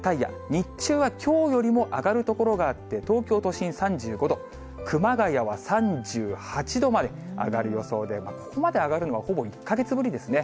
日中はきょうよりも上がる所があって、東京都心３５度、熊谷は３８度まで上がる予想で、ここまで上がるのは、ほぼ１か月ぶりですね。